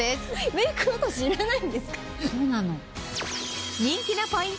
メイク落としいらないんですか。